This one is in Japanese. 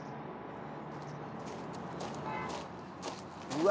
うわ。